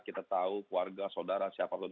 kita tahu keluarga saudara siapa pun